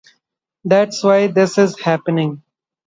That's why this is happening.